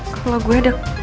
kalau gue ada